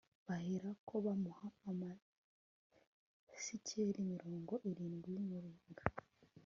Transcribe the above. baherako bamuha amasikeli mirongo irindwi y'umuringa